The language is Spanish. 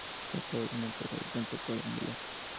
Se trata de una torre de planta cuadrangular.